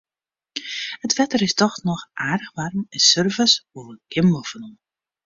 It wetter is noch aardich waarm en surfers hoege gjin moffen oan.